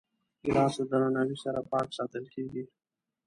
ګیلاس له درناوي سره پاک ساتل کېږي.